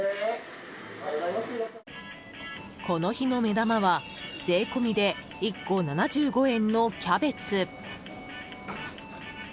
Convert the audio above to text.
この日の目玉は税込みで１個７５円のキャベツ。